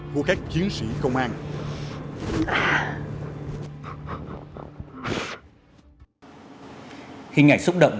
hình ảnh xúc động